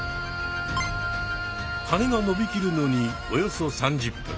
はねがのびきるのにおよそ３０分。